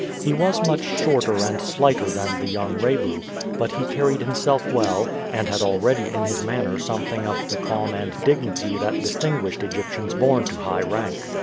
He was much shorter and slighter than the young Rebu, but he carried himself well, and had already in his manner something of the calm and dignity that distinguished Egyptians born to high rank.